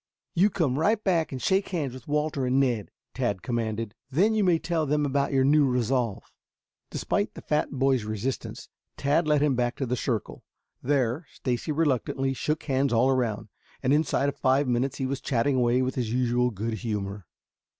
"You come right back and shake hands with Walter and Ned," Tad commanded. "Then you may tell them about your new resolve." Despite the fat boy's resistance, Tad led him back to the circle. There, Stacy reluctantly shook hands all around, and inside of five minutes he was chatting away with his usual good humor.